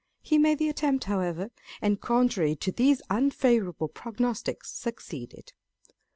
He made the attempt, however, and contrary to these unfavourable prognostics, succeeded.